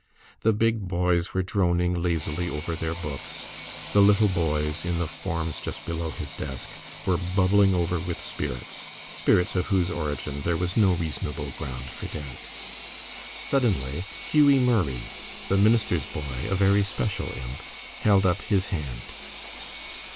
The big boys were droning lazily over their books, the little boys, in the forms just below his desk, were bubbling over with spirits spirits of whose origin there was no reasonable ground for doubt. Suddenly Hughie Murray, the minister's boy, a very special imp, held up his hand.